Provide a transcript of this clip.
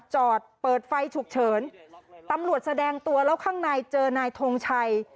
จอดเปิดไฟฉุกเฉินตำรวจแสดงตัวแล้วข้างในเจอนายทงชัย